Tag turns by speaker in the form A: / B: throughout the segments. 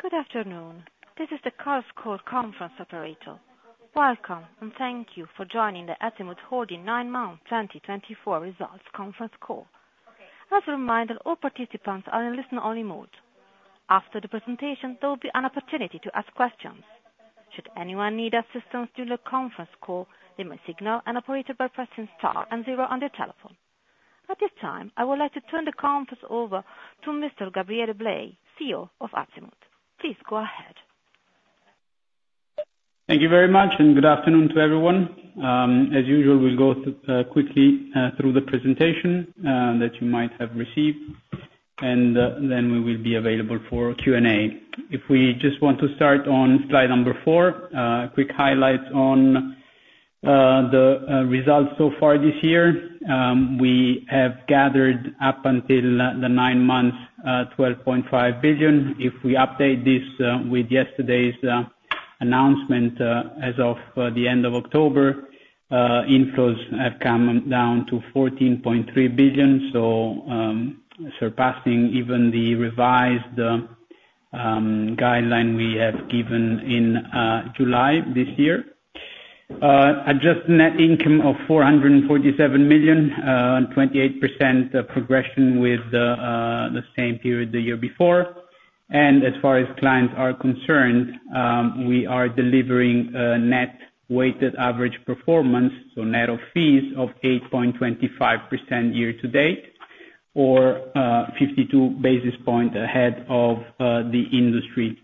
A: Good afternoon. This is the Chorus Call conference operator. Welcome and thank you for joining the Azimut Holding 9 Month 2024 Results Conference Call. As a reminder, all participants are in listen-only mode. After the presentation, there will be an opportunity to ask questions. Should anyone need assistance during the conference call, they may signal an operator by pressing star and zero on their telephone. At this time, I would like to turn the conference over to Mr. Gabriele Blei, CEO of Azimut. Please go ahead.
B: Thank you very much, and good afternoon to everyone. As usual, we'll go quickly through the presentation that you might have received, and then we will be available for Q&A. If we just want to start on slide number four, a quick highlight on the results so far this year. We have gathered up until the nine months 12.5 billion. If we update this with yesterday's announcement as of the end of October, inflows have come down to 14.3 billion, so surpassing even the revised guideline we have given in July this year. Adjusted net income of 447 million, 28% progression with the same period the year before. As far as clients are concerned, we are delivering net weighted average performance, so net of fees, of 8.25% year to date, or 52 basis points ahead of the industry.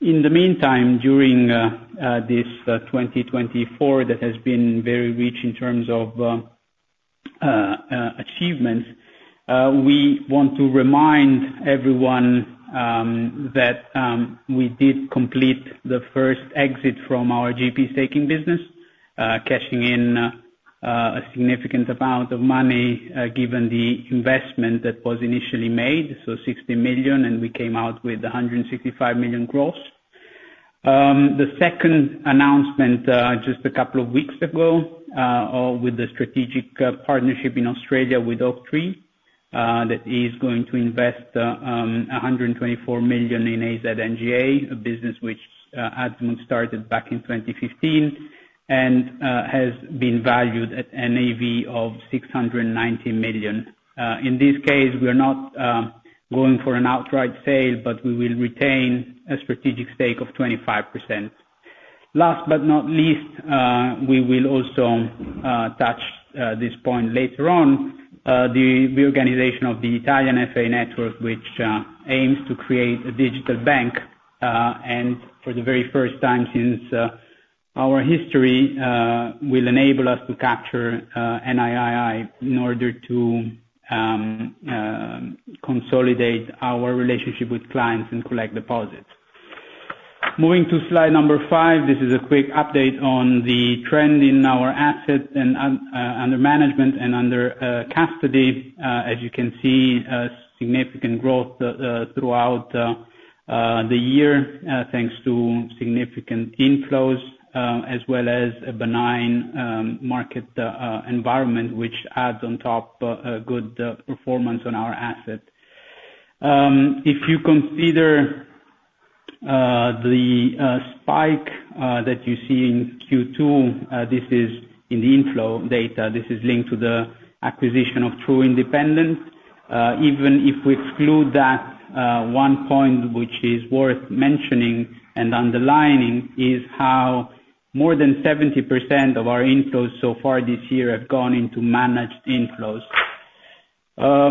B: In the meantime, during this 2024 that has been very rich in terms of achievements, we want to remind everyone that we did complete the first exit from our GP staking business, cashing in a significant amount of money given the investment that was initially made, so 60 million, and we came out with 165 million gross. The second announcement just a couple of weeks ago with the strategic partnership in Australia with Oaktree that is going to invest 124 million in AZ NGA, a business which Azimut started back in 2015 and has been valued at an EV of 690 million. In this case, we are not going for an outright sale, but we will retain a strategic stake of 25%. Last but not least, we will also touch this point later on, the reorganization of the Italian FA network, which aims to create a digital bank and, for the very first time since our history, will enable us to capture NII in order to consolidate our relationship with clients and collect deposits. Moving to slide number five, this is a quick update on the trend in our assets under management and under custody. As you can see, significant growth throughout the year thanks to significant inflows, as well as a benign market environment, which adds on top good performance on our assets. If you consider the spike that you see in Q2, this is in the inflow data. This is linked to the acquisition of Tru Independence. Even if we exclude that one point which is worth mentioning and underlining, is how more than 70% of our inflows so far this year have gone into managed inflows.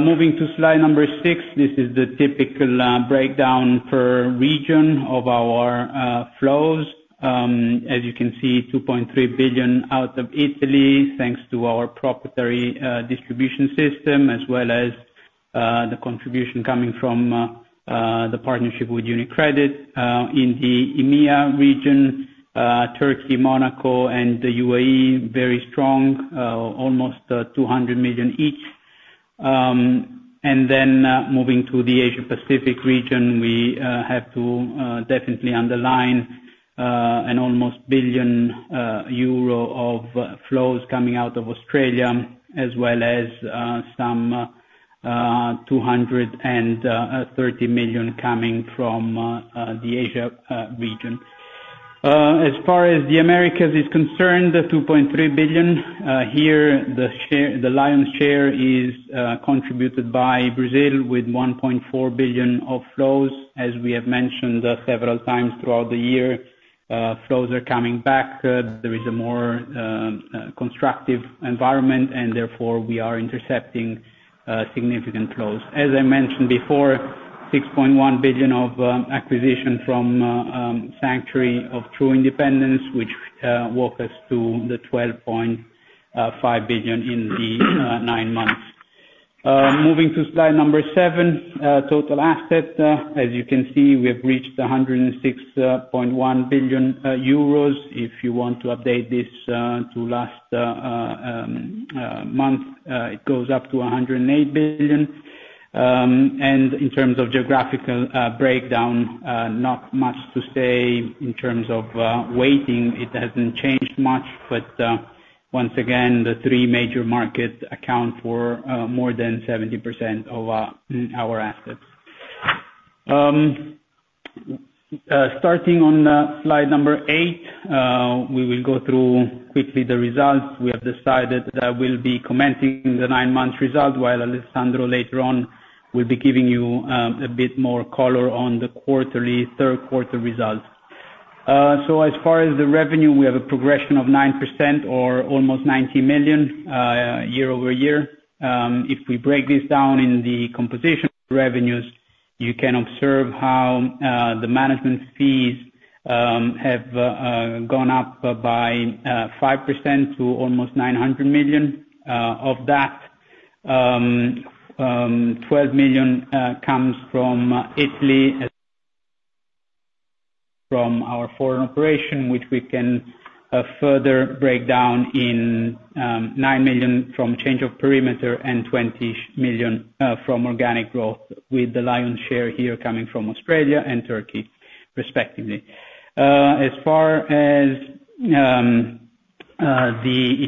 B: Moving to slide number six, this is the typical breakdown per region of our flows. As you can see, 2.3 billion out of Italy thanks to our proprietary distribution system, as well as the contribution coming from the partnership with UniCredit in the EMEA region, Turkey, Monaco, and the UAE, very strong, almost 200 million each. And then moving to the Asia-Pacific region, we have to definitely underline an almost 1 billion euro of flows coming out of Australia, as well as some 230 million coming from the Asia region. As far as the Americas is concerned, 2.3 billion. Here, the lion's share is contributed by Brazil with 1.4 billion of flows. As we have mentioned several times throughout the year, flows are coming back. There is a more constructive environment, and therefore we are intercepting significant flows. As I mentioned before, 6.1 billion acquisition from Sanctuary of Tru Independence, which took us to the 12.5 billion in the nine months. Moving to slide number seven, total assets. As you can see, we have reached 106.1 billion euros. If you want to update this to last month, it goes up to 108 billion. In terms of geographical breakdown, not much to say in terms of weighting. It hasn't changed much, but once again, the three major markets account for more than 70% of our assets. Starting on slide number eight, we will go through quickly the results. We have decided that we'll be commenting on the nine months result, while Alessandro later on will be giving you a bit more color on the quarterly, third quarter results. So as far as the revenue, we have a progression of 9% or almost 90 million year over year. If we break this down in the composition revenues, you can observe how the management fees have gone up by 5% to almost 900 million. Of that, 12 million comes from Italy, from our foreign operation, which we can further break down in nine million from change of perimeter and 20 million from organic growth, with the lion's share here coming from Australia and Turkey, respectively. As far as the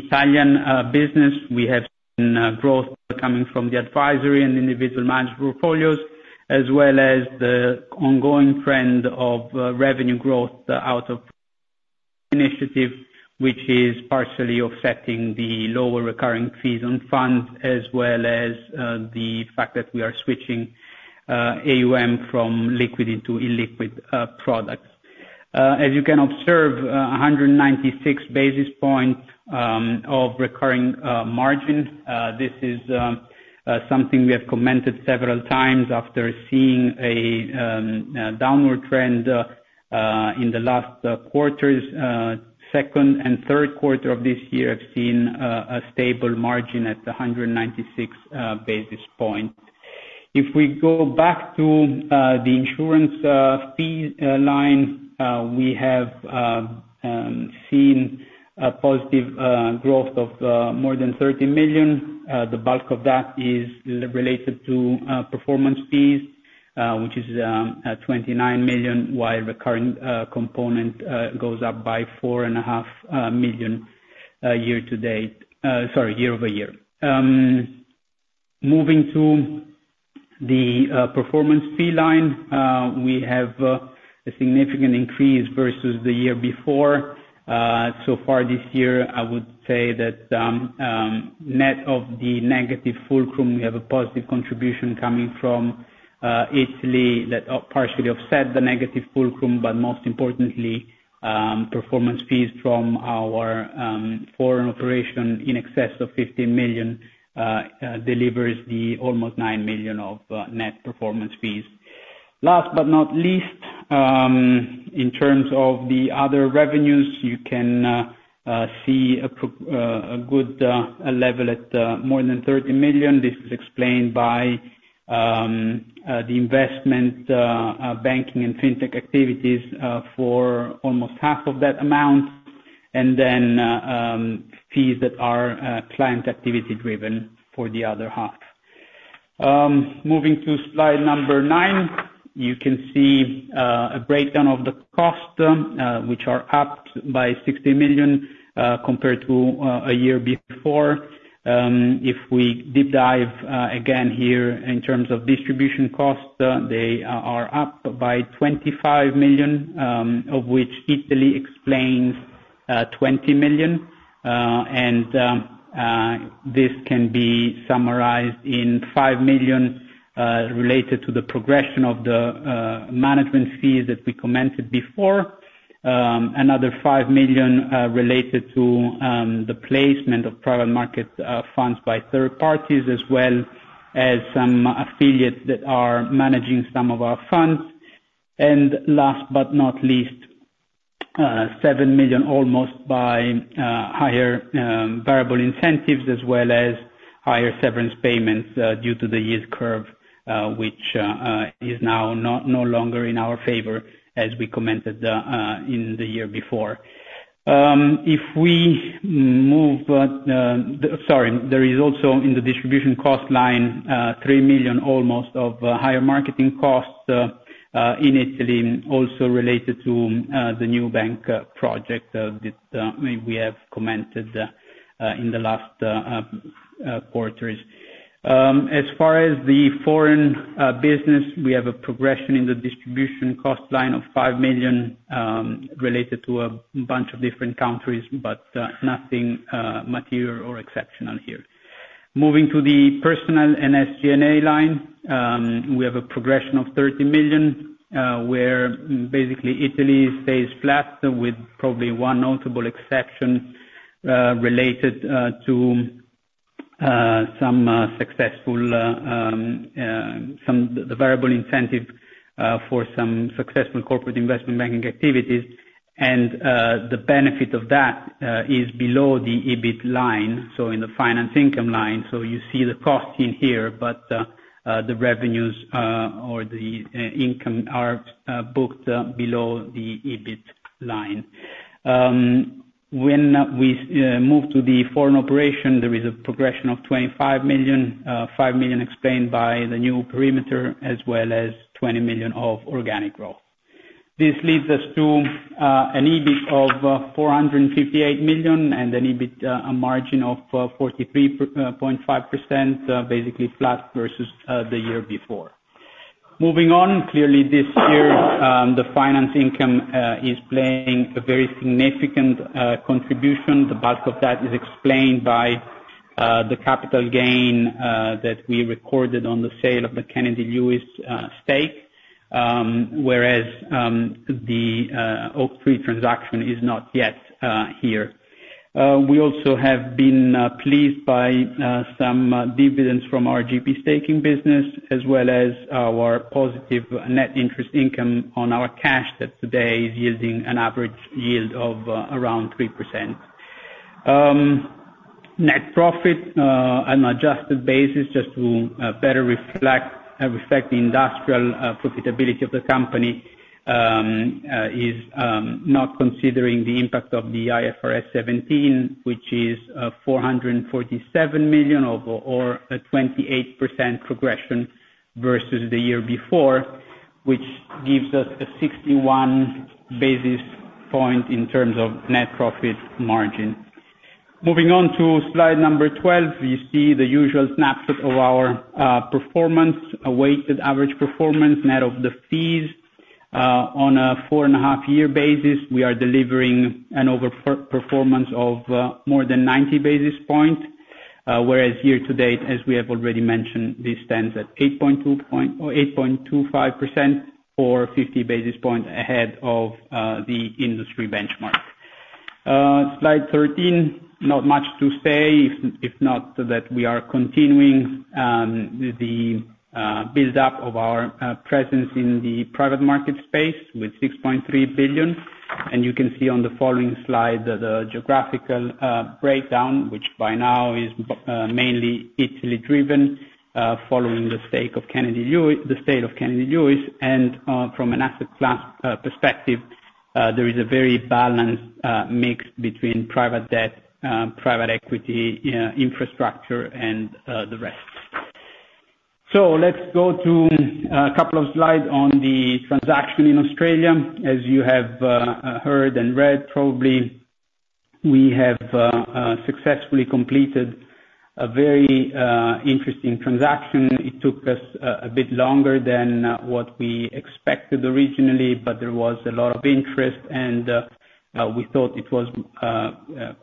B: Italian business, we have growth coming from the advisory and individual management portfolios, as well as the ongoing trend of revenue growth out of initiative, which is partially offsetting the lower recurring fees on funds, as well as the fact that we are switching AUM from liquid into illiquid products. As you can observe, 196 basis points of recurring margin. This is something we have commented several times after seeing a downward trend in the last quarters. Second and third quarter of this year, I've seen a stable margin at 196 basis points. If we go back to the insurance fee line, we have seen a positive growth of more than €30 million. The bulk of that is related to performance fees, which is €29 million, while recurring component goes up by €4.5 million year to date, sorry, year over year. Moving to the performance fee line, we have a significant increase versus the year before. So far this year, I would say that net of the negative fulcrum, we have a positive contribution coming from Italy that partially offsets the negative fulcrum, but most importantly, performance fees from our foreign operation in excess of 15 million delivers the almost 9 million of net performance fees. Last but not least, in terms of the other revenues, you can see a good level at more than 30 million. This is explained by the investment banking and fintech activities for almost half of that amount, and then fees that are client activity driven for the other half. Moving to slide number nine, you can see a breakdown of the costs, which are up by 60 million compared to a year before. If we deep dive again here in terms of distribution costs, they are up by 25 million, of which Italy explains 20 million, and this can be summarized in five million related to the progression of the management fees that we commented before. Another five million related to the placement of private market funds by third parties, as well as some affiliates that are managing some of our funds, and last but not least, seven million almost by higher variable incentives, as well as higher severance payments due to the yield curve, which is now no longer in our favor, as we commented in the year before. Sorry, there is also in the distribution cost line, three million almost of higher marketing costs in Italy, also related to the new bank project that we have commented on in the last quarters. As far as the foreign business, we have a progression in the distribution cost line of 5 million related to a bunch of different countries, but nothing material or exceptional here. Moving to the personnel and SG&A line, we have a progression of 30 million, where basically Italy stays flat with probably one notable exception related to some variable incentive for some successful corporate investment banking activities. And the benefit of that is below the EBIT line, so in the finance income line. So you see the cost in here, but the revenues or the income are booked below the EBIT line. When we move to the foreign operation, there is a progression of 25 million, 5 million explained by the new perimeter, as well as 20 million of organic growth. This leads us to an EBIT of €458 million and an EBIT margin of 43.5%, basically flat versus the year before. Moving on, clearly this year, the finance income is playing a very significant contribution. The bulk of that is explained by the capital gain that we recorded on the sale of the Kennedy Lewis stake, whereas the Oaktree transaction is not yet here. We also have been pleased by some dividends from our GP staking business, as well as our positive net interest income on our cash that today is yielding an average yield of around 3%. Net profit on an adjusted basis, just to better reflect the industrial profitability of the company, is not considering the impact of the IFRS 17, which is €447 million or a 28% progression versus the year before, which gives us a 61 basis point in terms of net profit margin. Moving on to slide number 12, you see the usual snapshot of our performance, a weighted average performance net of the fees. On a 4.5-year basis, we are delivering an overperformance of more than 90 basis points, whereas year to date, as we have already mentioned, this stands at 8.25% or 50 basis points ahead of the industry benchmark. Slide 13, not much to say, if not that we are continuing the build-up of our presence in the private market space with €6.3 billion. And you can see on the following slide the geographical breakdown, which by now is mainly Italy-driven, following the stake in Kennedy Lewis. And from an asset class perspective, there is a very balanced mix between private debt, private equity, infrastructure, and the rest, so let's go to a couple of slides on the transaction in Australia. As you have heard and read, probably we have successfully completed a very interesting transaction. It took us a bit longer than what we expected originally, but there was a lot of interest, and we thought it was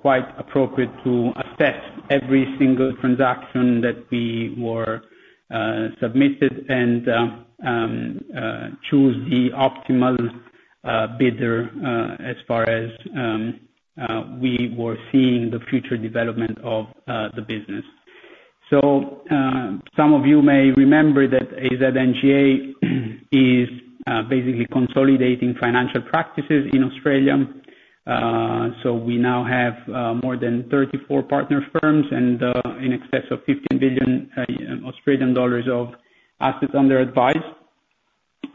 B: quite appropriate to assess every single transaction that we were submitted and choose the optimal bidder as far as we were seeing the future development of the business. So some of you may remember that AZ NGA is basically consolidating financial practices in Australia. So we now have more than 34 partner firms and in excess of 15 billion Australian dollars of assets under advice.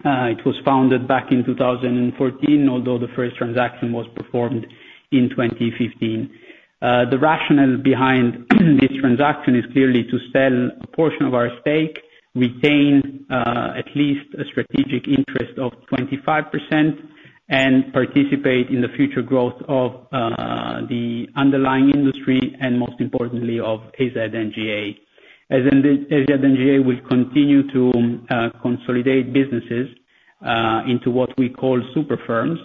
B: It was founded back in 2014, although the first transaction was performed in 2015. The rationale behind this transaction is clearly to sell a portion of our stake, retain at least a strategic interest of 25%, and participate in the future growth of the underlying industry and, most importantly, of AZ NGA. AZ NGA will continue to consolidate businesses into what we call super firms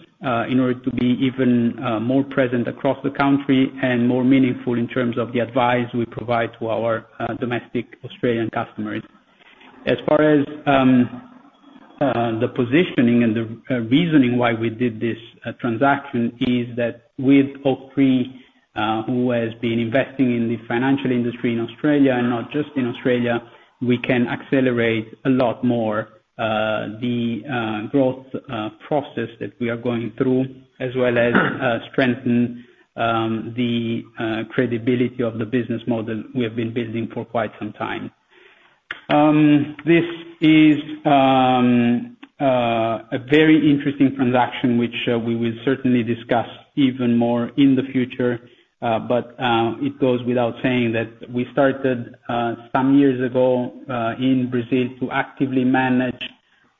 B: in order to be even more present across the country and more meaningful in terms of the advice we provide to our domestic Australian customers. As far as the positioning and the reasoning why we did this transaction, it is that with Oaktree, who has been investing in the financial industry in Australia and not just in Australia, we can accelerate a lot more the growth process that we are going through, as well as strengthen the credibility of the business model we have been building for quite some time. This is a very interesting transaction, which we will certainly discuss even more in the future, but it goes without saying that we started some years ago in Brazil to actively manage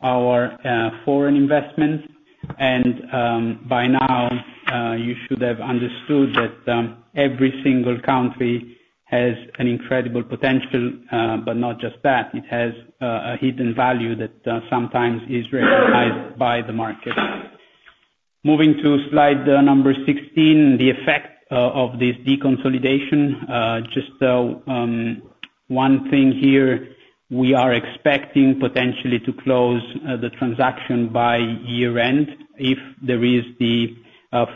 B: our foreign investment. And by now, you should have understood that every single country has an incredible potential, but not just that. It has a hidden value that sometimes is recognized by the market. Moving to slide number 16, the effect of this deconsolidation. Just one thing here, we are expecting potentially to close the transaction by year-end if there is the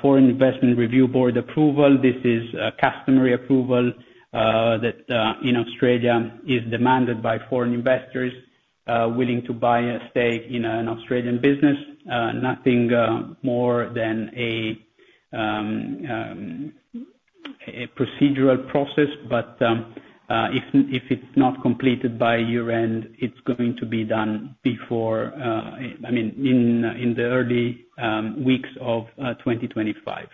B: Foreign Investment Review Board approval. This is a customary approval that in Australia is demanded by foreign investors willing to buy a stake in an Australian business. Nothing more than a procedural process, but if it's not completed by year-end, it's going to be done before, I mean, in the early weeks of 2025.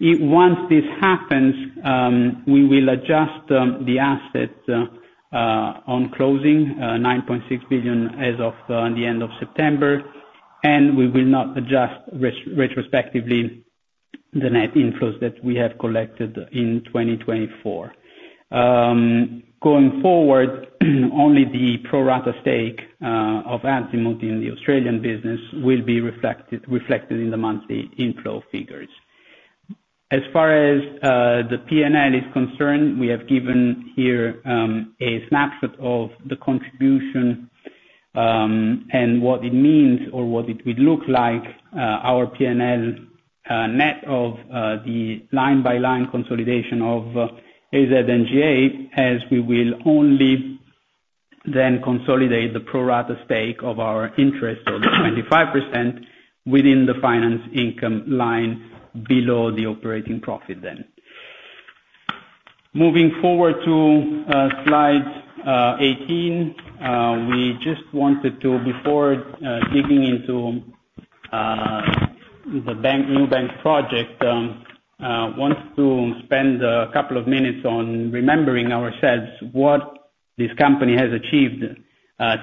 B: Once this happens, we will adjust the asset on closing, €9.6 billion as of the end of September, and we will not adjust retrospectively the net inflows that we have collected in 2024. Going forward, only the pro-rata stake of Azimut in the Australian business will be reflected in the monthly inflow figures. As far as the P&L is concerned, we have given here a snapshot of the contribution and what it means or what it would look like, our P&L net of the line-by-line consolidation of AZ NGA, as we will only then consolidate the pro-rata stake of our interest of 25% within the finance income line below the operating profit then. Moving forward to slide 18, we just wanted to, before digging into the new bank project, spend a couple of minutes on reminding ourselves what this company has achieved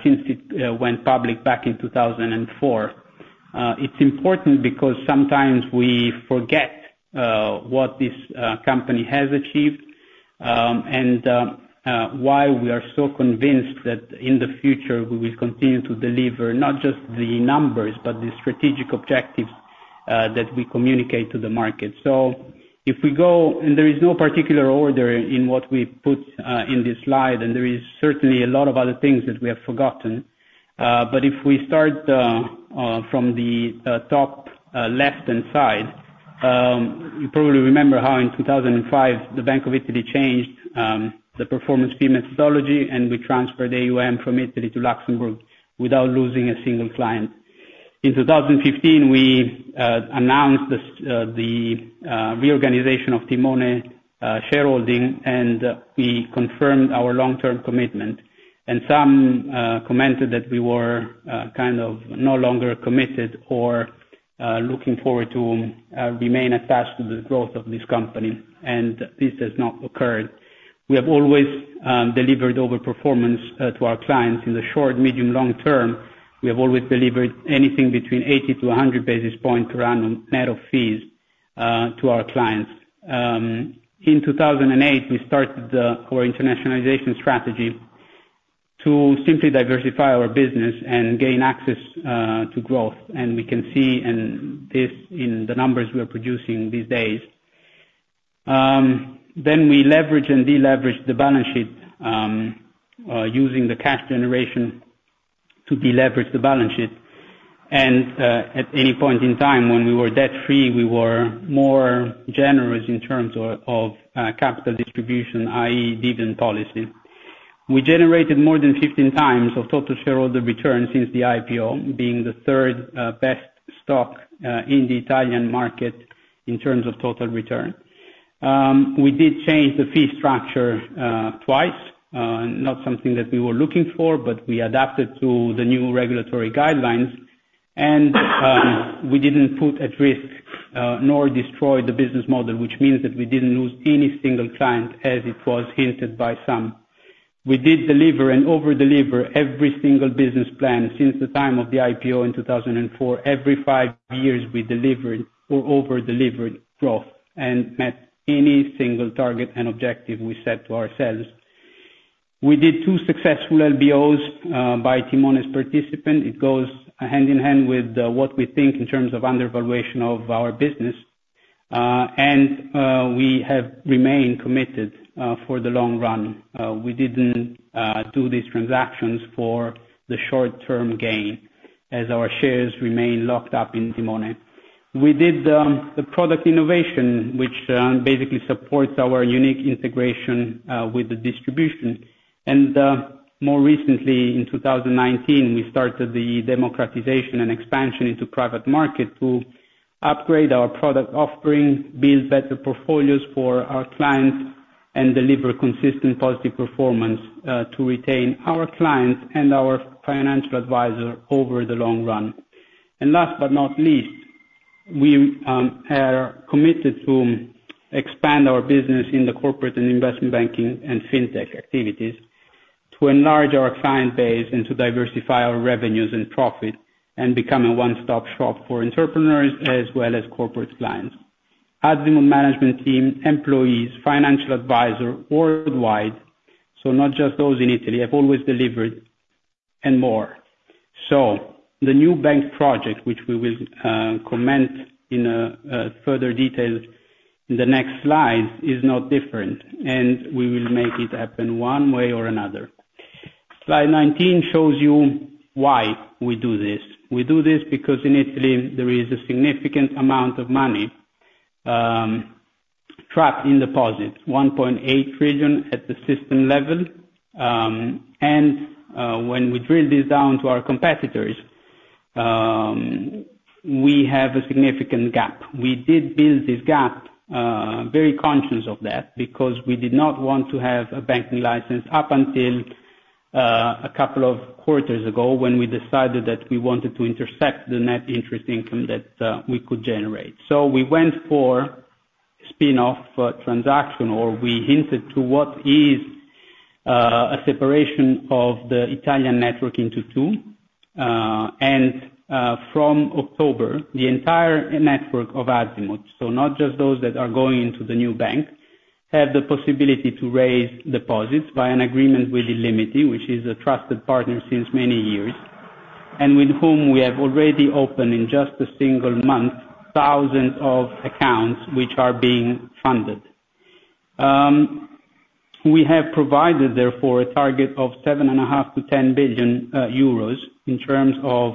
B: since it went public back in 2004. It's important because sometimes we forget what this company has achieved and why we are so convinced that in the future we will continue to deliver not just the numbers, but the strategic objectives that we communicate to the market. So if we go, and there is no particular order in what we put in this slide, and there is certainly a lot of other things that we have forgotten, but if we start from the top left-hand side, you probably remember how in 2005 the Bank of Italy changed the performance fee methodology, and we transferred AUM from Italy to Luxembourg without losing a single client. In 2015, we announced the reorganization of Timone shareholding, and we confirmed our long-term commitment, and some commented that we were kind of no longer committed or looking forward to remain attached to the growth of this company, and this has not occurred. We have always delivered overperformance to our clients in the short, medium, long term. We have always delivered anything between 80-100 basis points to run on net of fees to our clients. In 2008, we started our internationalization strategy to simply diversify our business and gain access to growth, and we can see this in the numbers we are producing these days, then we leveraged and deleveraged the balance sheet using the cash generation to deleverage the balance sheet, and at any point in time when we were debt-free, we were more generous in terms of capital distribution, i.e., dividend policy. We generated more than 15 times of total shareholder return since the IPO, being the third best stock in the Italian market in terms of total return. We did change the fee structure twice, not something that we were looking for, but we adapted to the new regulatory guidelines, and we didn't put at risk nor destroy the business model, which means that we didn't lose any single client as it was hinted by some. We did deliver and overdeliver every single business plan since the time of the IPO in 2004. Every five years, we delivered or overdelivered growth and met any single target and objective we set to ourselves. We did two successful LBOs by Timone as participant. It goes hand in hand with what we think in terms of undervaluation of our business, and we have remained committed for the long run. We didn't do these transactions for the short-term gain as our shares remain locked up in Timone. We did the product innovation, which basically supports our unique integration with the distribution. More recently, in 2019, we started the democratization and expansion into private market to upgrade our product offering, build better portfolios for our clients, and deliver consistent positive performance to retain our clients and our financial advisor over the long run. Last but not least, we are committed to expand our business in the corporate and investment banking and fintech activities to enlarge our client base and to diversify our revenues and profit and become a one-stop shop for entrepreneurs as well as corporate clients. Azimut management team employees, financial advisor worldwide, so not just those in Italy, have always delivered and more. The new bank project, which we will comment in further detail in the next slides, is not different, and we will make it happen one way or another. Slide 19 shows you why we do this. We do this because in Italy, there is a significant amount of money trapped in deposits, 1.8 trillion at the system level, and when we drill this down to our competitors, we have a significant gap. We did build this gap, very conscious of that, because we did not want to have a banking license up until a couple of quarters ago when we decided that we wanted to intercept the net interest income that we could generate, so we went for a spin-off transaction, or we hinted to what is a separation of the Italian network into two. From October, the entire network of Azimut, so not just those that are going into the new bank, have the possibility to raise deposits by an agreement with Illimity, which is a trusted partner since many years, and with whom we have already opened in just a single month thousands of accounts which are being funded. We have provided, therefore, a target of 7.5 billion-10 billion euros in terms of,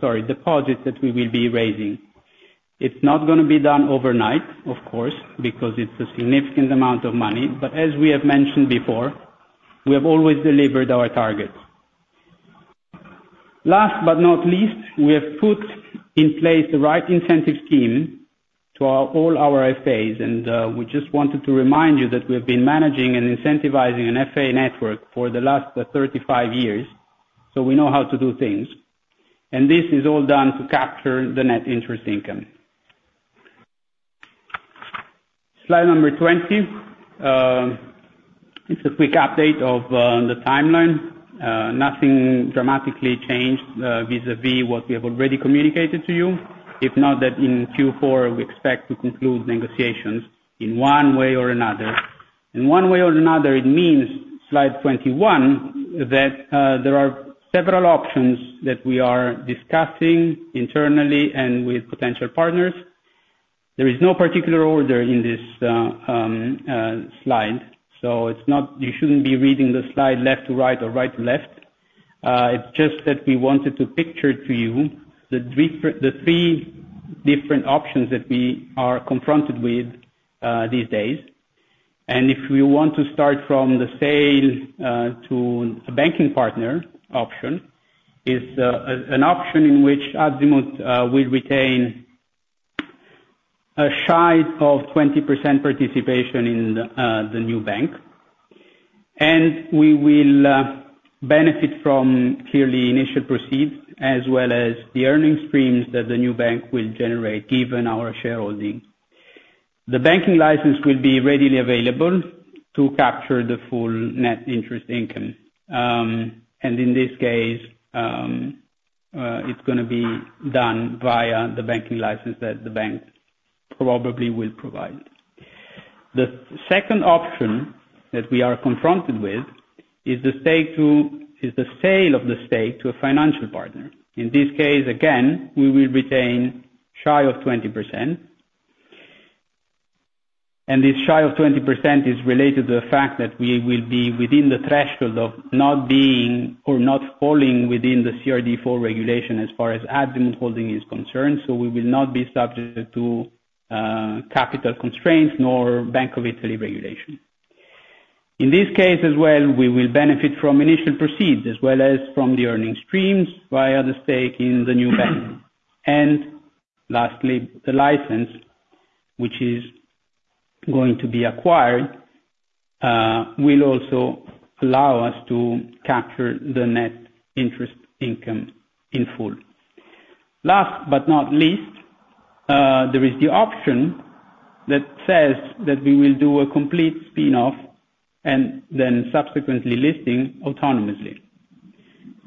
B: sorry, deposits that we will be raising. It's not going to be done overnight, of course, because it's a significant amount of money, but as we have mentioned before, we have always delivered our targets. Last but not least, we have put in place the right incentive scheme to all our FAs, and we just wanted to remind you that we have been managing and incentivizing an FA network for the last 35 years, so we know how to do things, and this is all done to capture the net interest income. Slide number 20. It's a quick update of the timeline. Nothing dramatically changed vis-à-vis what we have already communicated to you, if not that in Q4 we expect to conclude negotiations in one way or another. In one way or another, it means, slide 21, that there are several options that we are discussing internally and with potential partners. There is no particular order in this slide, so it's not. You shouldn't be reading the slide left to right or right to left. It's just that we wanted to picture to you the three different options that we are confronted with these days. And if we want to start from the sale to a banking partner option, it's an option in which Azimut will retain a shy of 20% participation in the new bank, and we will benefit from clearly initial proceeds as well as the earning streams that the new bank will generate given our shareholding. The banking license will be readily available to capture the full net interest income. And in this case, it's going to be done via the banking license that the bank probably will provide. The second option that we are confronted with is the sale of the stake to a financial partner. In this case, again, we will retain shy of 20%. And this shy of 20% is related to the fact that we will be within the threshold of not being or not falling within the CRD4 regulation as far as Azimut Holding is concerned, so we will not be subject to capital constraints nor Bank of Italy regulation. In this case as well, we will benefit from initial proceeds as well as from the earning streams via the stake in the new bank. And lastly, the license, which is going to be acquired, will also allow us to capture the net interest income in full. Last but not least, there is the option that says that we will do a complete spin-off and then subsequently listing autonomously.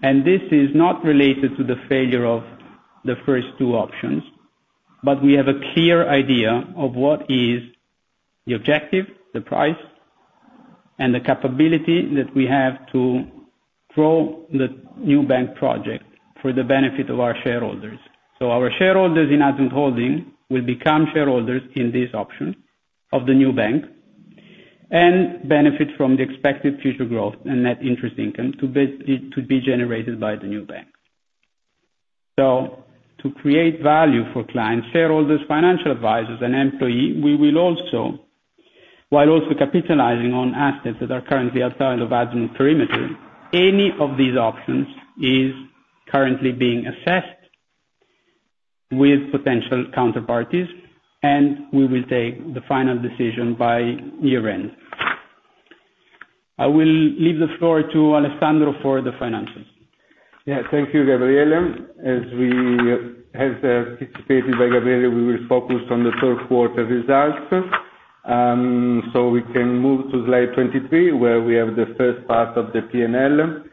B: This is not related to the failure of the first two options, but we have a clear idea of what is the objective, the price, and the capability that we have to grow the new bank project for the benefit of our shareholders. Our shareholders in Azimut Holding will become shareholders in this option of the new bank and benefit from the expected future growth and net interest income to be generated by the new bank. To create value for clients, shareholders, financial advisors, and employees, we will also, while also capitalizing on assets that are currently outside of Azimut perimeter, any of these options is currently being assessed with potential counterparties, and we will take the final decision by year-end. I will leave the floor to Alessandro for the financials. Yeah, thank you, Gabriele.
C: As presented by Gabriele, we will focus on the third quarter results, so we can move to slide 23, where we have the first part of the P&L.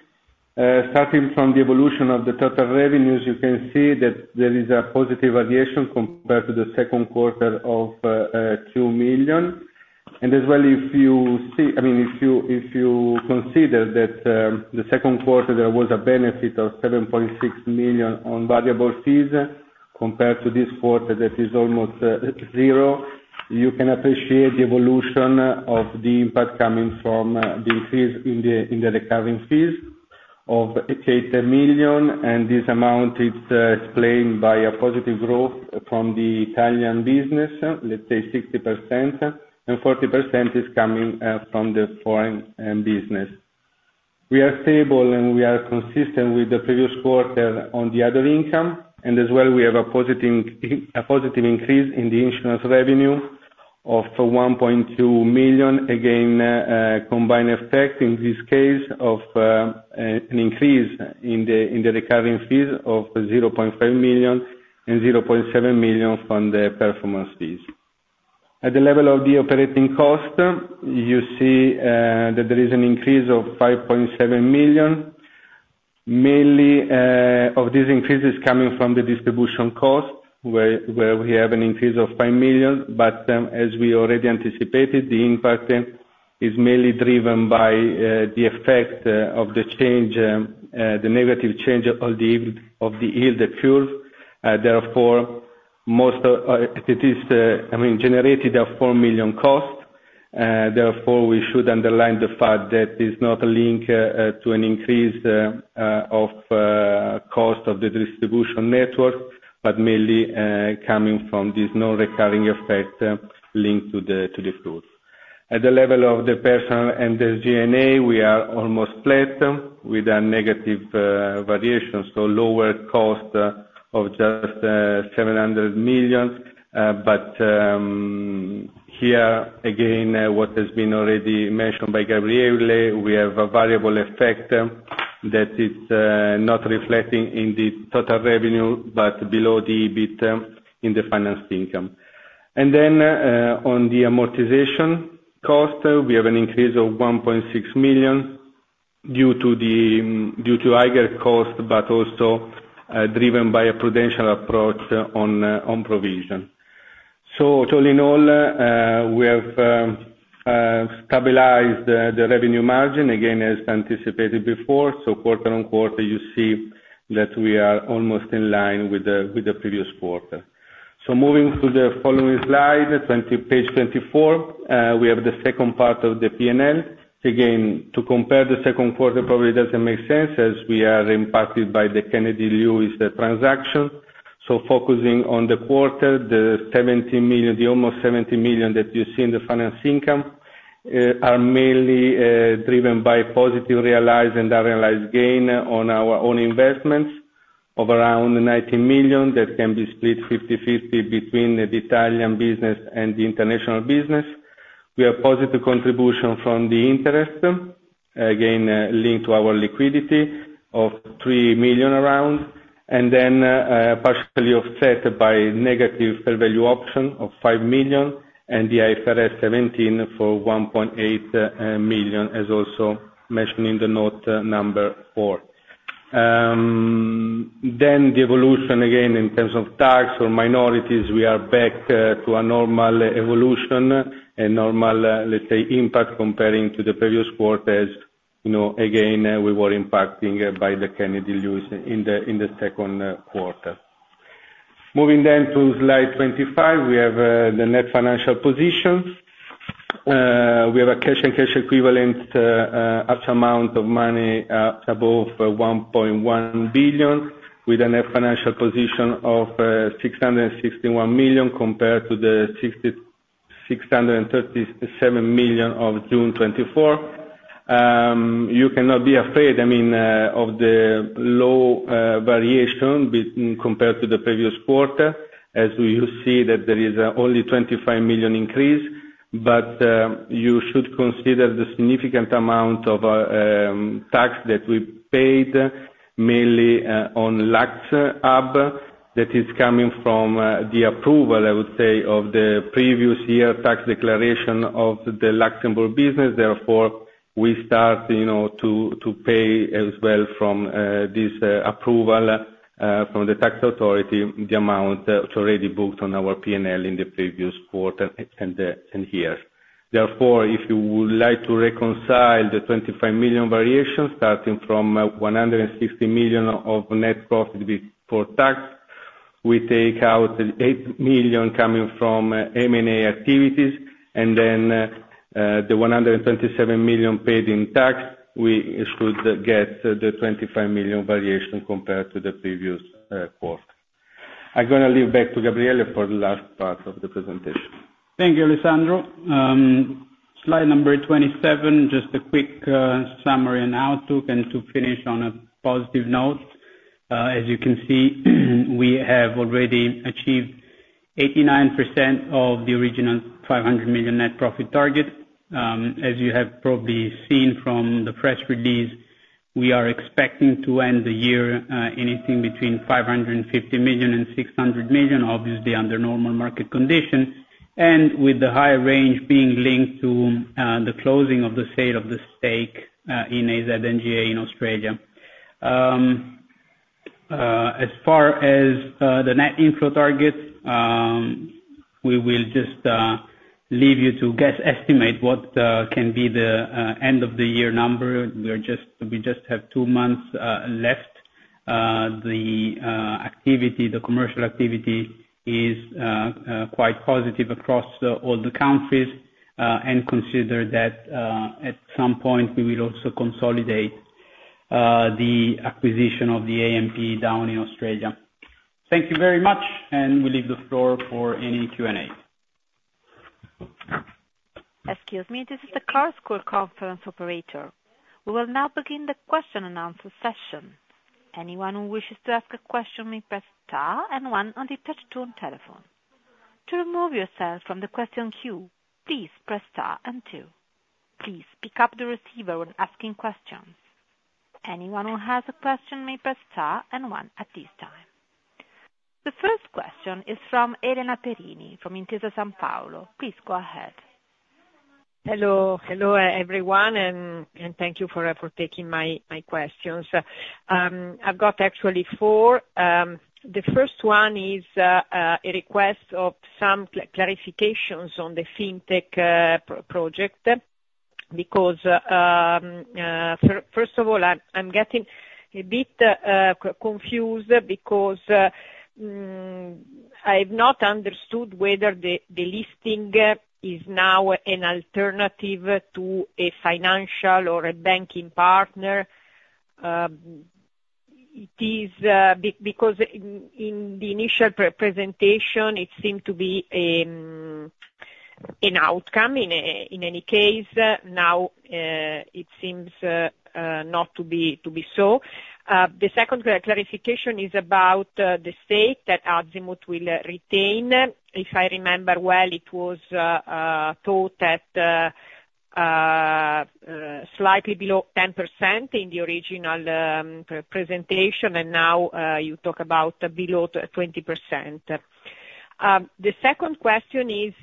C: Starting from the evolution of the total revenues, you can see that there is a positive variation compared to the second quarter of €2 million. And as well, if you see, I mean, if you consider that the second quarter, there was a benefit of €7.6 million on variable fees compared to this quarter that is almost zero, you can appreciate the evolution of the impact coming from the increase in the recurring fees of €80 million, and this amount is explained by a positive growth from the Italian business, let's say 60%, and 40% is coming from the foreign business. We are stable, and we are consistent with the previous quarter on the other income, and as well, we have a positive increase in the insurance revenue of 1.2 million, again, combined effect in this case of an increase in the recurring fees of 0.5 million and 0.7 million from the performance fees. At the level of the operating cost, you see that there is an increase of 5.7 million. Mainly, of these increases coming from the distribution cost, where we have an increase of 5 million, but as we already anticipated, the impact is mainly driven by the effect of the change, the negative change of the yield accrued. Therefore, most of it is, I mean, generated of 4 million cost. Therefore, we should underline the fact that it's not linked to an increase of cost of the distribution network, but mainly coming from this non-recurring effect linked to the flows. At the level of the personnel and the G&A, we are almost flat with a negative variation, so lower cost of just €700 million. But here, again, what has been already mentioned by Gabriele, we have a variable effect that it's not reflecting in the total revenue, but below the EBIT in the financial income. And then on the amortization cost, we have an increase of €1.6 million due to higher cost, but also driven by a prudential approach on provision. So all in all, we have stabilized the revenue margin, again, as anticipated before. So quarter on quarter, you see that we are almost in line with the previous quarter. So moving to the following slide, page 24, we have the second part of the P&L. Again, to compare the second quarter probably doesn't make sense as we are impacted by the Kennedy Lewis transaction. So focusing on the quarter, the 70 million, the almost 70 million that you see in the finance income are mainly driven by positive realized and unrealized gain on our own investments of around 90 million that can be split 50/50 between the Italian business and the international business. We have positive contribution from the interest, again, linked to our liquidity of around 3 million, and then partially offset by negative fair value option of 5 million and the IFRS 17 for 1.8 million, as also mentioned in the note number four. Then the evolution, again, in terms of tax or minorities, we are back to a normal evolution and normal, let's say, impact comparing to the previous quarter as, again, we were impacted by the Kennedy Lewis in the second quarter. Moving then to slide 25, we have the net financial position. We have a cash and cash equivalent up amount of money above €1.1 billion with a net financial position of €661 million compared to the €637 million of June 2024. You cannot be afraid, I mean, of the low variation compared to the previous quarter as you see that there is only €25 million increase, but you should consider the significant amount of tax that we paid mainly on Luxembourg that is coming from the approval, I would say, of the previous year tax declaration of the Luxembourg business. Therefore, we start to pay as well from this approval from the tax authority the amount already booked on our P&L in the previous quarter and here. Therefore, if you would like to reconcile the 25 million variation starting from 160 million of net profit before tax, we take out 8 million coming from M&A activities, and then the 127 million paid in tax, we should get the 25 million variation compared to the previous quarter. I'm going to hand back to Gabriele for the last part of the presentation. Thank you, Alessandro. Slide number 27, just a quick summary and outlook, and to finish on a positive note. As you can see, we have already achieved 89% of the original 500 million net profit target. As you have probably seen from the press release, we are expecting to end the year anything between €550 million-€600 million, obviously under normal market conditions, and with the higher range being linked to the closing of the sale of the stake in AZ NGA in Australia. As far as the net inflow target, we will just leave you to guess, estimate what can be the end-of-the-year number. We just have two months left. The activity, the commercial activity is quite positive across all the countries, and consider that at some point we will also consolidate the acquisition of the AMP down in Australia. Thank you very much, and we leave the floor for any Q&A.
A: Excuse me, this is the Chorus Call Conference Operator. We will now begin the question and answer session. Anyone who wishes to ask a question may press star and one on the touch-tone telephone. To remove yourself from the question queue, please press star and two. Please pick up the receiver when asking questions. Anyone who has a question may press star and one at this time. The first question is from Elena Perini from Intesa Sanpaolo. Please go ahead.
D: Hello, hello everyone, and thank you for taking my questions. I've got actually four. The first one is a request of some clarifications on the fintech project because, first of all, I'm getting a bit confused because I've not understood whether the listing is now an alternative to a financial or a banking partner. It is because in the initial presentation, it seemed to be an outcome in any case. Now, it seems not to be so. The second clarification is about the stake that Azimut will retain. If I remember well, it was thought at slightly below 10% in the original presentation, and now you talk about below 20%. The second question is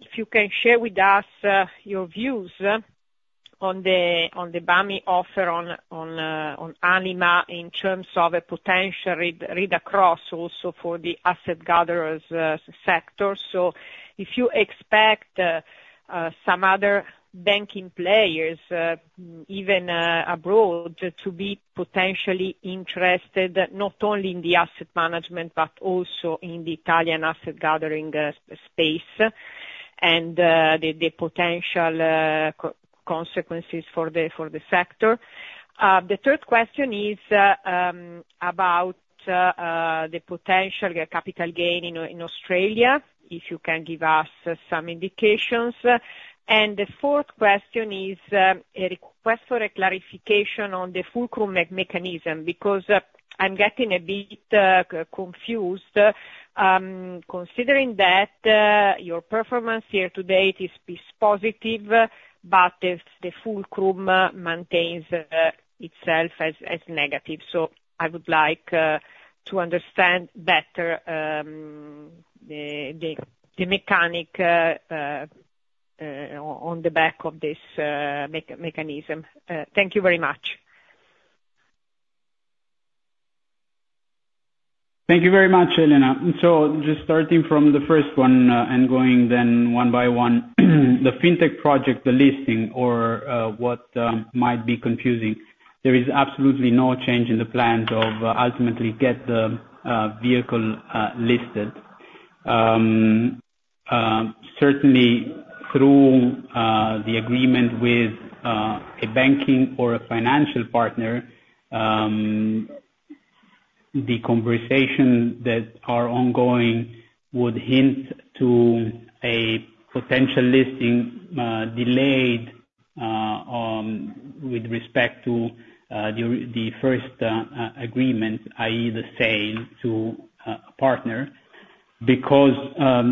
D: if you can share with us your views on the BAMI offer on Anima in terms of a potential read-across also for the asset gatherers sector. So if you expect some other banking players, even abroad, to be potentially interested not only in the asset management but also in the Italian asset gathering space and the potential consequences for the sector. The third question is about the potential capital gain in Australia if you can give us some indications. The fourth question is a request for a clarification on the fulcrum mechanism because I'm getting a bit confused considering that your performance year-to-date is positive, but the fulcrum mechanism maintains itself as negative. I would like to understand better the mechanics behind this mechanism. Thank you very much.
B: Thank you very much, Elena. Just starting from the first one and going then one by one, the fintech project, the listing, or what might be confusing, there is absolutely no change in the plans of ultimately getting the vehicle listed. Certainly, through the agreement with a banking or a financial partner, the conversation that is ongoing would hint to a potential listing delayed with respect to the first agreement, i.e., the sale to a partner because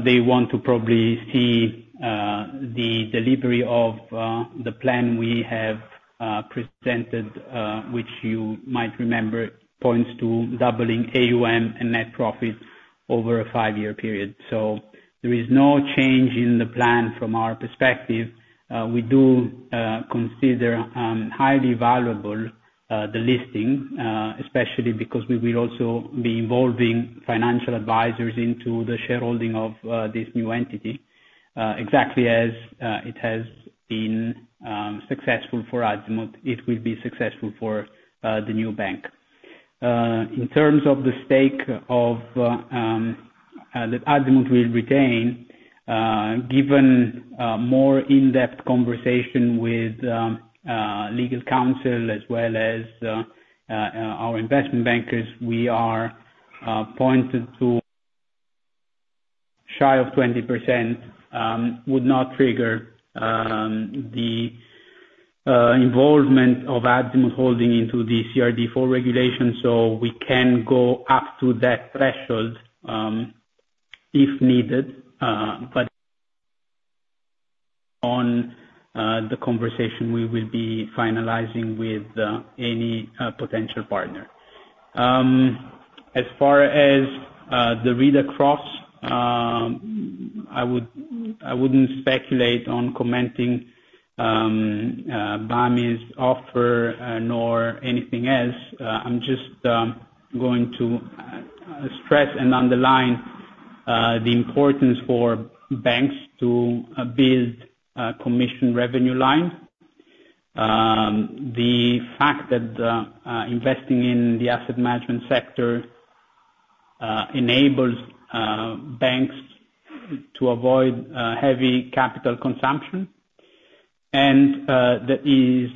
B: they want to probably see the delivery of the plan we have presented, which you might remember points to doubling AUM and net profit over a five-year period. So there is no change in the plan from our perspective. We do consider highly valuable the listing, especially because we will also be involving financial advisors into the shareholding of this new entity, exactly as it has been successful for Azimut. It will be successful for the new bank. In terms of the stake that Azimut will retain, given more in-depth conversation with legal counsel as well as our investment bankers, we are pointed to shy of 20% would not trigger the involvement of Azimut Holding into the CRD4 regulation. So we can go up to that threshold if needed, but on the conversation, we will be finalizing with any potential partner. As far as the takeover, I wouldn't speculate on commenting BAMI's offer nor anything else. I'm just going to stress and underline the importance for banks to build commission revenue line. The fact that investing in the asset management sector enables banks to avoid heavy capital consumption and that is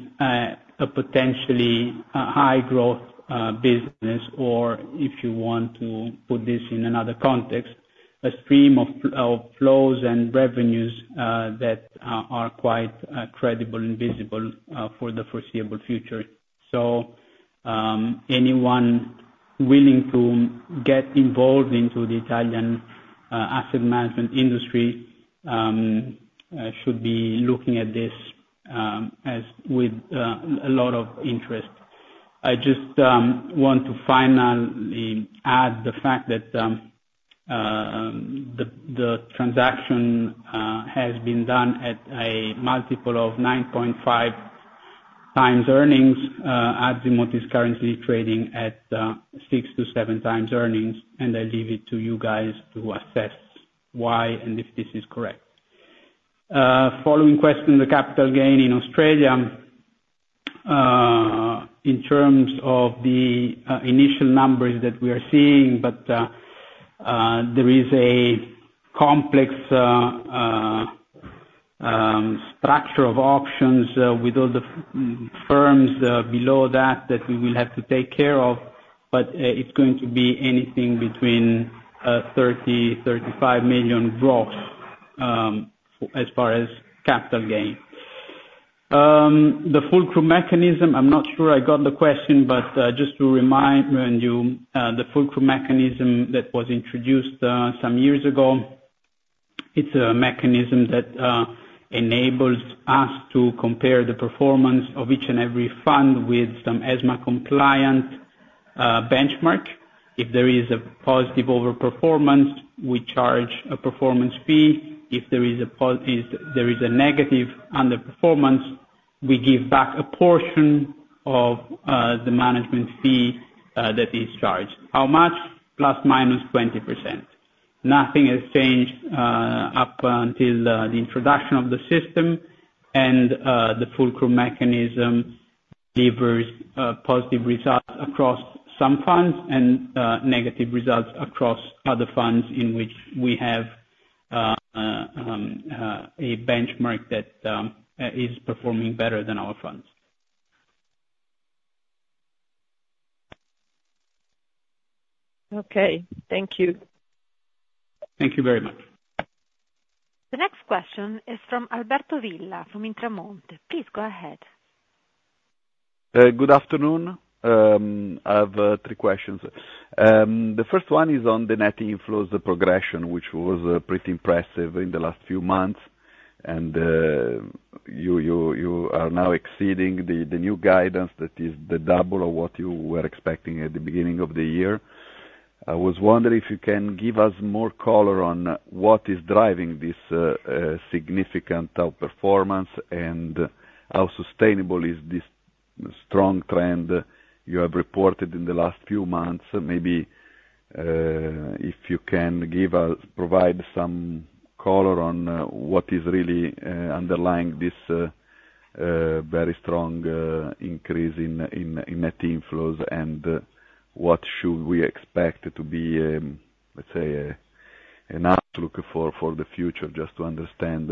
B: a potentially high-growth business, or if you want to put this in another context, a stream of flows and revenues that are quite credible and visible for the foreseeable future. So anyone willing to get involved into the Italian asset management industry should be looking at this with a lot of interest. I just want to finally add the fact that the transaction has been done at a multiple of 9.5 times earnings. Azimut is currently trading at 6-7 times earnings, and I leave it to you guys to assess why and if this is correct. Following question, the capital gain in Australia in terms of the initial numbers that we are seeing, but there is a complex structure of options with all the firms below that we will have to take care of, but it's going to be anything between 30-35 million gross as far as capital gain. The Fulcrum mechanism, I'm not sure I got the question, but just to remind you, the fulcrum mechanism that was introduced some years ago, it's a mechanism that enables us to compare the performance of each and every fund with some ESMA-compliant benchmark. If there is a positive overperformance, we charge a performance fee. If there is a negative underperformance, we give back a portion of the management fee that is charged. How much? Plus minus 20%. Nothing has changed up until the introduction of the system, and the fulcrum Mechanism delivers positive results across some funds and negative results across other funds in which we have a benchmark that is performing better than our funds.
D: Okay. Thank you.
B: Thank you very much.
A: The next question is from Alberto Villa from Intermonte. Please go ahead.
E: Good afternoon. I have three questions. The first one is on the net inflows progression, which was pretty impressive in the last few months, and you are now exceeding the new guidance that is the double of what you were expecting at the beginning of the year. I was wondering if you can give us more color on what is driving this significant outperformance and how sustainable is this strong trend you have reported in the last few months. Maybe if you can provide some color on what is really underlying this very strong increase in net inflows and what should we expect to be, let's say, an outlook for the future just to understand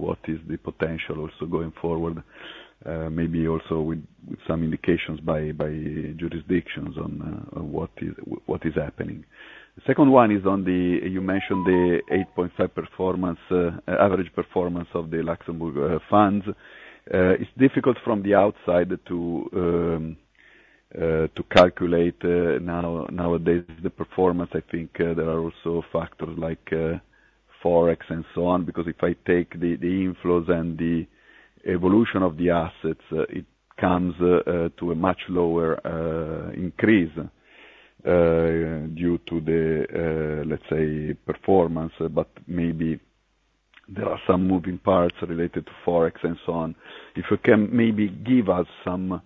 E: what is the potential also going forward, maybe also with some indications by jurisdictions on what is happening. The second one is on the one you mentioned, the 8.5 average performance of the Luxembourg funds. It's difficult from the outside to calculate nowadays the performance. I think there are also factors like Forex and so on because if I take the inflows and the evolution of the assets, it comes to a much lower increase due to the, let's say, performance, but maybe there are some moving parts related to Forex and so on. If you can maybe give us some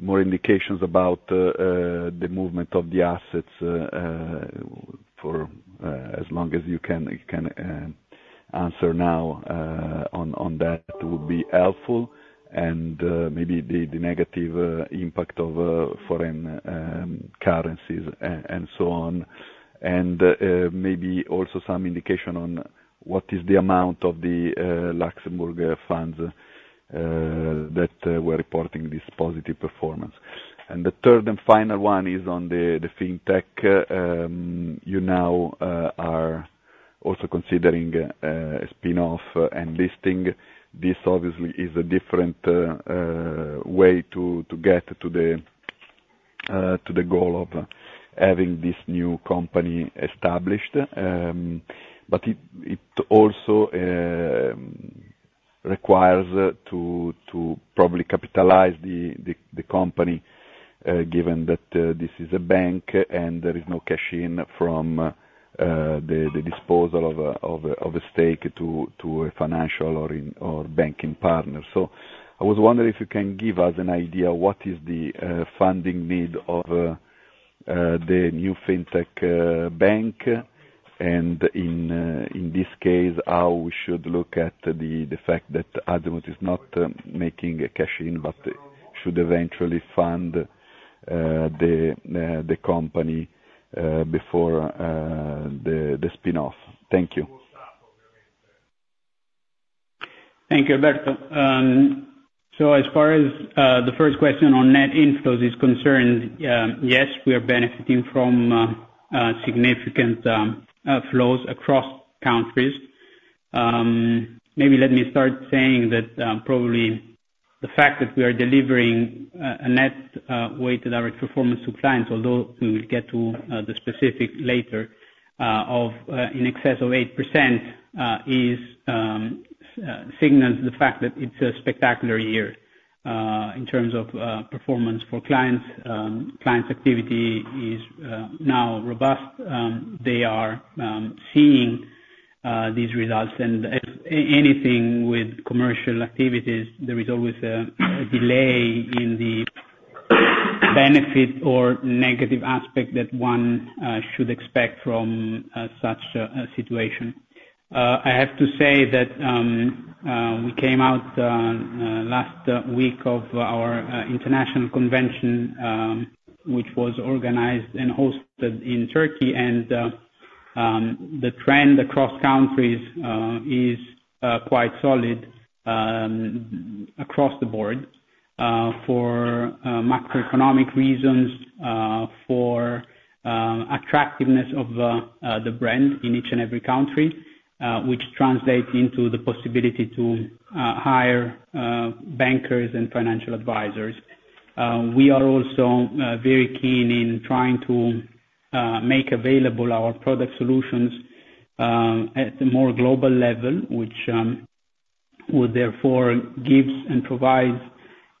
E: more indications about the movement of the assets for as long as you can answer now on that, it would be helpful, and maybe the negative impact of foreign currencies and so on, and maybe also some indication on what is the amount of the Luxembourg funds that were reporting this positive performance. And the third and final one is on the fintech. You now are also considering a spin-off and listing. This obviously is a different way to get to the goal of having this new company established, but it also requires to probably capitalize the company given that this is a bank and there is no cash in from the disposal of a stake to a financial or banking partner. So I was wondering if you can give us an idea what is the funding need of the new fintech bank, and in this case, how we should look at the fact that Azimut is not making a cash in but should eventually fund the company before the spin-off. Thank you.
B: Thank you, Alberto. So as far as the first question on net inflows is concerned, yes, we are benefiting from significant flows across countries. Maybe let me start saying that probably the fact that we are delivering a net-weighted average performance to clients, although we will get to the specifics later of in excess of 8%, signals the fact that it's a spectacular year in terms of performance for clients. Clients' activity is now robust. They are seeing these results, and anything with commercial activities, there is always a delay in the benefit or negative aspect that one should expect from such a situation. I have to say that we came out last week of our international convention, which was organized and hosted in Turkey, and the trend across countries is quite solid across the board for macroeconomic reasons, for attractiveness of the brand in each and every country, which translates into the possibility to hire bankers and financial advisors. We are also very keen in trying to make available our product solutions at a more global level, which would therefore give and provide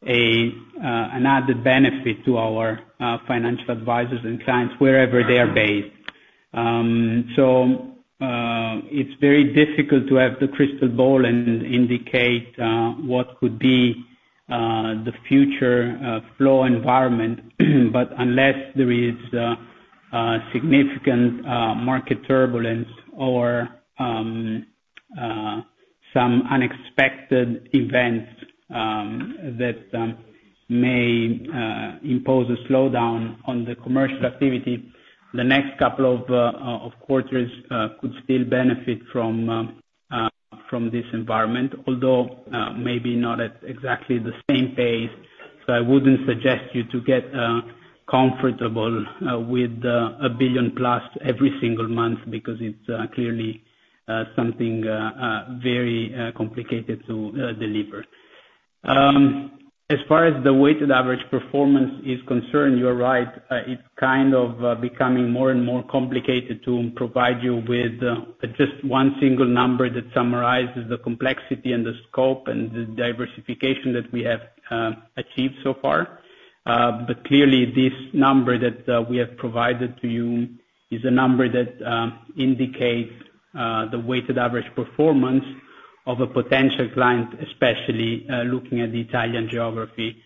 B: an added benefit to our financial advisors and clients wherever they are based. So it's very difficult to have the crystal ball and indicate what could be the future flow environment, but unless there is significant market turbulence or some unexpected events that may impose a slowdown on the commercial activity, the next couple of quarters could still benefit from this environment, although maybe not at exactly the same pace. So I wouldn't suggest you to get comfortable with a billion-plus every single month because it's clearly something very complicated to deliver. As far as the weighted average performance is concerned, you're right. It's kind of becoming more and more complicated to provide you with just one single number that summarizes the complexity and the scope and the diversification that we have achieved so far. But clearly, this number that we have provided to you is a number that indicates the weighted average performance of a potential client, especially looking at the Italian geography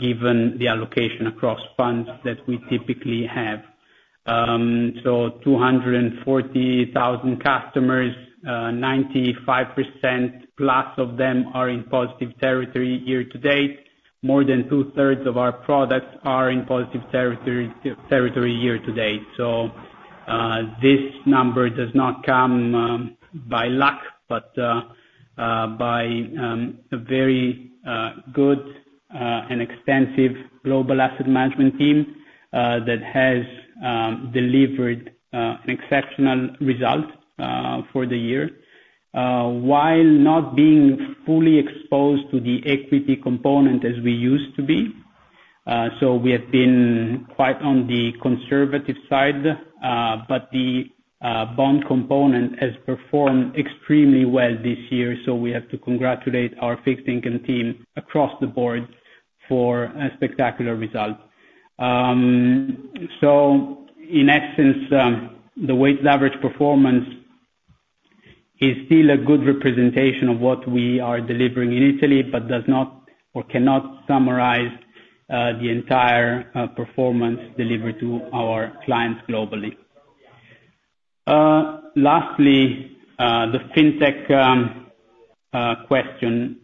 B: given the allocation across funds that we typically have. So 240,000 customers, 95% plus of them are in positive territory year to date. More than two-thirds of our products are in positive territory year to date. So this number does not come by luck, but by a very good and extensive global asset management team that has delivered an exceptional result for the year. While not being fully exposed to the equity component as we used to be, so we have been quite on the conservative side, but the bond component has performed extremely well this year, so we have to congratulate our fixed income team across the board for a spectacular result, so in essence, the weighted average performance is still a good representation of what we are delivering in Italy, but does not or cannot summarize the entire performance delivered to our clients globally. Lastly, the fintech question.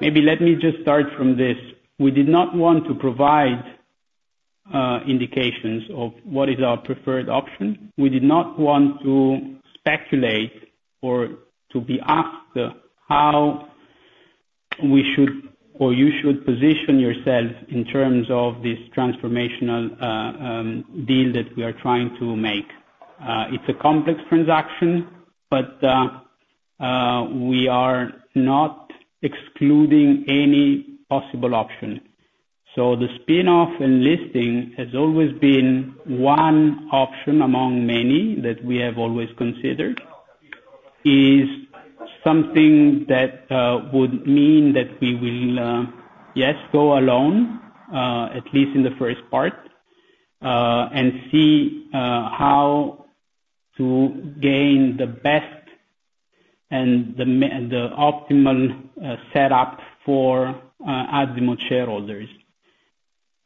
B: Maybe let me just start from this. We did not want to provide indications of what is our preferred option. We did not want to speculate or to be asked how we should or you should position yourself in terms of this transformational deal that we are trying to make. It's a complex transaction, but we are not excluding any possible option. The spin-off and listing has always been one option among many that we have always considered is something that would mean that we will, yes, go alone, at least in the first part, and see how to gain the best and the optimal setup for Azimut shareholders.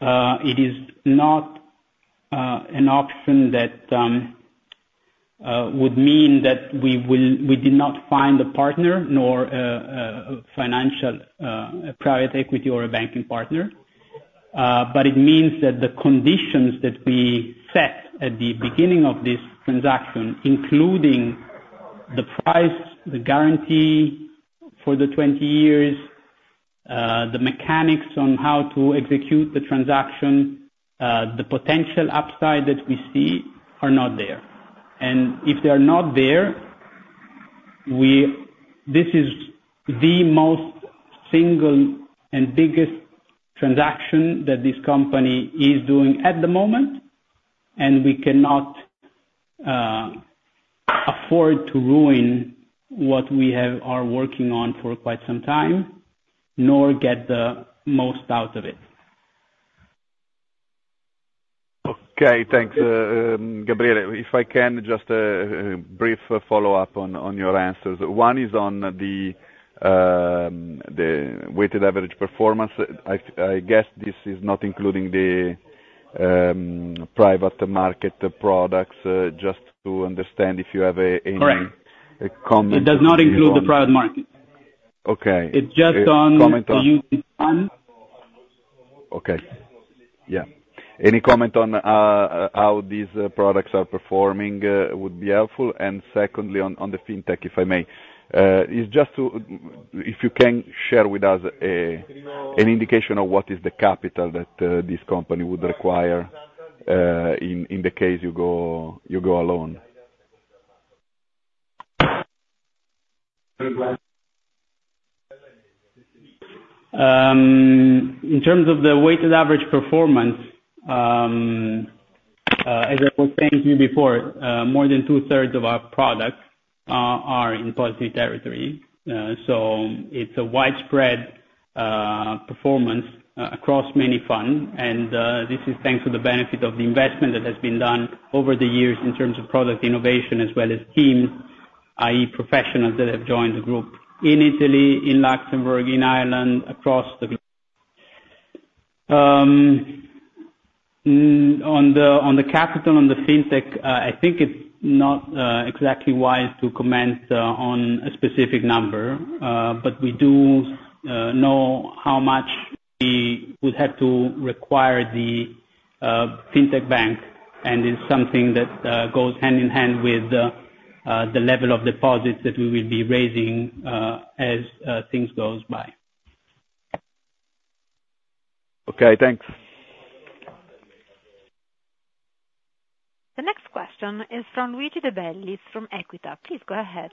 B: It is not an option that would mean that we did not find a partner nor a financial private equity or a banking partner, but it means that the conditions that we set at the beginning of this transaction, including the price, the guarantee for the 20 years, the mechanics on how to execute the transaction, the potential upside that we see are not there. And if they are not there, this is the most single and biggest transaction that this company is doing at the moment, and we cannot afford to ruin what we are working on for quite some time, nor get the most out of it.
E: Okay. Thanks, Gabriele. If I can just a brief follow-up on your answers. One is on the weighted average performance. I guess this is not including the private market products, just to understand if you have any comment. Correct. It does not include the private market. Okay. It's just on the comment on. Okay. Yeah. Any comment on how these products are performing would be helpful. And secondly, on the fintech, if I may, it's just if you can share with us an indication of what is the capital that this company would require in the case you go alone.
B: In terms of the weighted average performance, as I was saying to you before, more than two-thirds of our products are in positive territory. So it's a widespread performance across many funds, and this is thanks to the benefit of the investment that has been done over the years in terms of product innovation as well as teams, i.e., professionals that have joined the group in Italy, in Luxembourg, in Ireland, across the globe. On the capital on the fintech, I think it's not exactly wise to comment on a specific number, but we do know how much we would have to require the fintech bank, and it's something that goes hand in hand with the level of deposits that we will be raising as things go by.
E: Okay. Thanks.
A: The next question is from Luigi De Bellis from Equita. Please go ahead.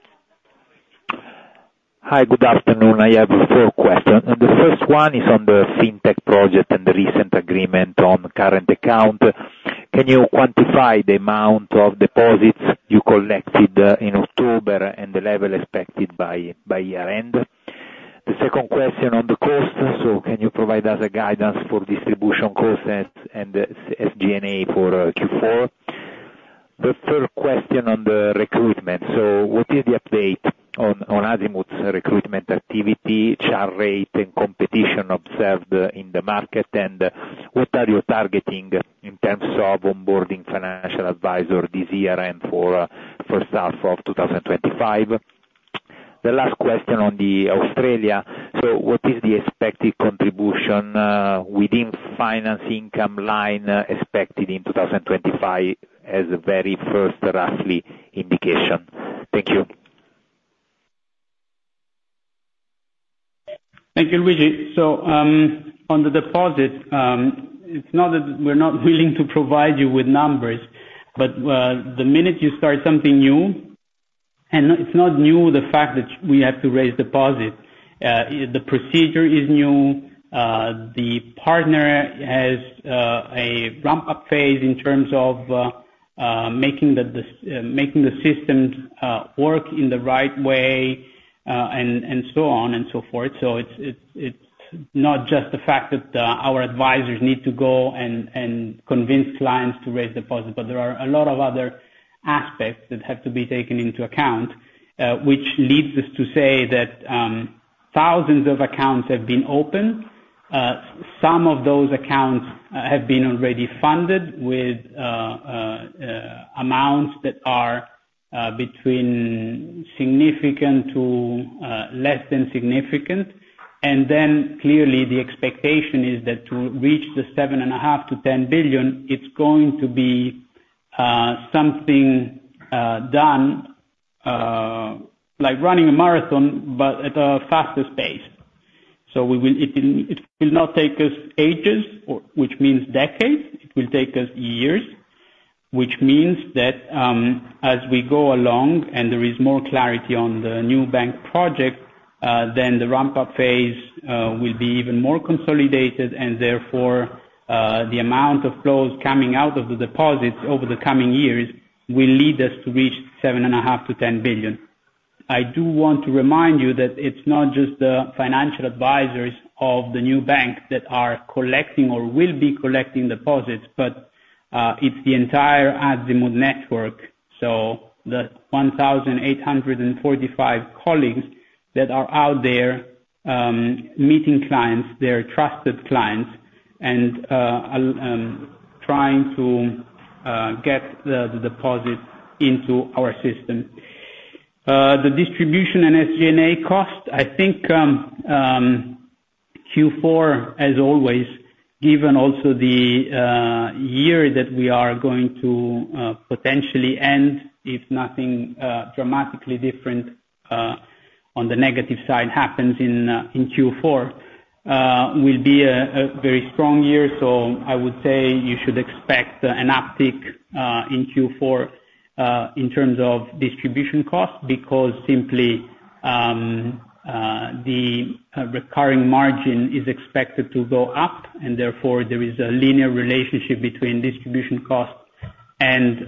F: Hi. Good afternoon. I have four questions. And the first one is on the fintech project and the recent agreement on current account. Can you quantify the amount of deposits you collected in October and the level expected by year-end? The second question on the cost. So can you provide us a guidance for distribution costs and SG&A for Q4? The third question on the recruitment. So what is the update on Azimut's recruitment activity, churn rate, and competition observed in the market, and what are you targeting in terms of onboarding financial advisor this year and for start of 2025? The last question on the Australia. So what is the expected contribution within finance income line expected in 2025 as a very first roughly indication? Thank you.
B: Thank you, Luigi. On the deposit, it's not that we're not willing to provide you with numbers, but the minute you start something new, and it's not new the fact that we have to raise deposit. The procedure is new. The partner has a ramp-up phase in terms of making the systems work in the right way and so on and so forth. It's not just the fact that our advisors need to go and convince clients to raise deposits, but there are a lot of other aspects that have to be taken into account, which leads us to say that thousands of accounts have been opened. Some of those accounts have been already funded with amounts that are between significant to less than significant. And then clearly, the expectation is that to reach the €7.5 billion-€10 billion, it's going to be something done like running a marathon, but at a faster pace. So it will not take us ages, which means decades. It will take us years, which means that as we go along and there is more clarity on the new bank project, then the ramp-up phase will be even more consolidated, and therefore the amount of flows coming out of the deposits over the coming years will lead us to reach €7.5 billion-€10 billion. I do want to remind you that it's not just the financial advisors of the new bank that are collecting or will be collecting deposits, but it's the entire Azimut network. So the 1,845 colleagues that are out there meeting clients, their trusted clients, and trying to get the deposits into our system. The distribution and SG&A cost, I think, Q4, as always, given also the year that we are going to potentially end, if nothing dramatically different on the negative side happens in Q4, will be a very strong year. So I would say you should expect an uptick in Q4 in terms of distribution costs because simply the recurring margin is expected to go up, and therefore there is a linear relationship between distribution costs and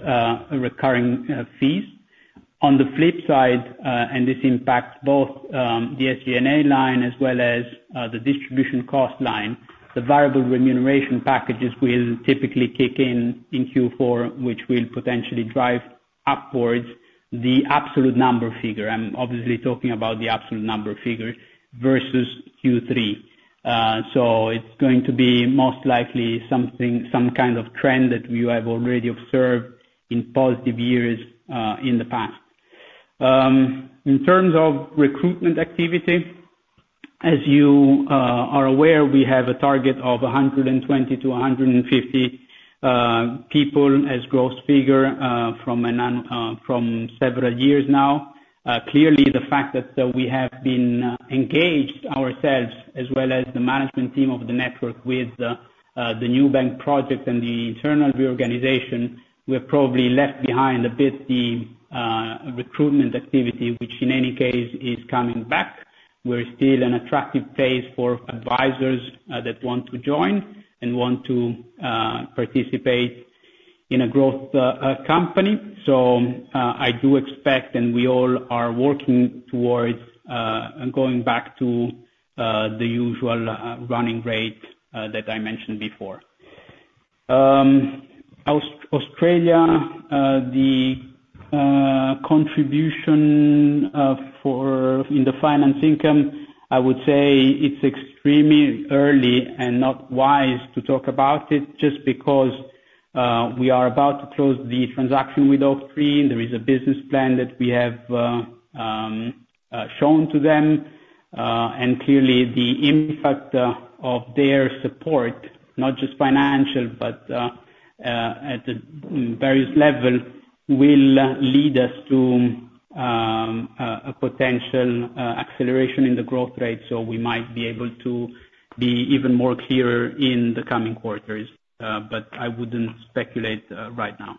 B: recurring fees. On the flip side, and this impacts both the SG&A line as well as the distribution cost line, the variable remuneration packages will typically kick in in Q4, which will potentially drive upwards the absolute number figure. I'm obviously talking about the absolute number figure versus Q3. So it's going to be most likely some kind of trend that we have already observed in positive years in the past. In terms of recruitment activity, as you are aware, we have a target of 120-150 people as gross figure from several years now. Clearly, the fact that we have been engaged ourselves as well as the management team of the network with the new bank project and the internal reorganization, we have probably left behind a bit the recruitment activity, which in any case is coming back. We're still in an attractive phase for advisors that want to join and want to participate in a growth company. So I do expect, and we all are working towards going back to the usual running rate that I mentioned before. Australia, the contribution in the finance income, I would say it's extremely early and not wise to talk about it just because we are about to close the transaction with Oaktree. There is a business plan that we have shown to them, and clearly the impact of their support, not just financial, but at the various level, will lead us to a potential acceleration in the growth rate, so we might be able to be even more clearer in the coming quarters, but I wouldn't speculate right now.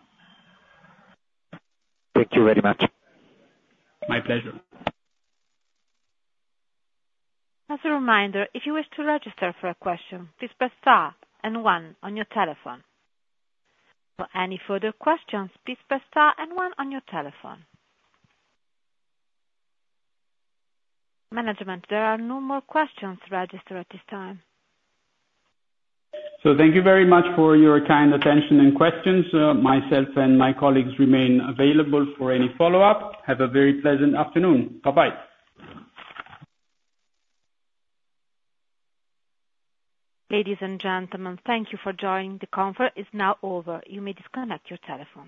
F: Thank you very much.
B: My pleasure.
A: As a reminder, if you wish to register for a question, please press star and one on your telephone. For any further questions, please press star and one on your telephone. Management, there are no more questions registered at this time.
B: So thank you very much for your kind attention and questions. Myself and my colleagues remain available for any follow-up. Have a very pleasant afternoon. Bye-bye.
A: Ladies and gentlemen, thank you for joining. The conference is now over. You may disconnect your telephone.